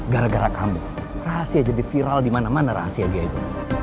gara gara kamu rahasia jadi viral di mana mana rahasia dia itu